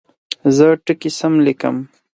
زه ټکي سم لیکم.